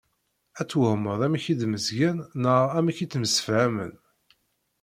Ad twehmeḍ amek i d-mmezgen neɣ amek i ttemsefhamen.